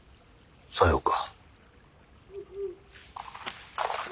さようか。